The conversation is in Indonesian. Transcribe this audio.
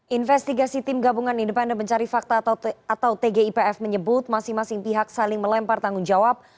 investigasi tim gabungan independen mencari fakta atau tgipf menyebut masing masing pihak saling melempar tanggung jawab